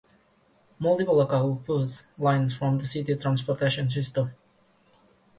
Multiple local bus lines form the city transportation system.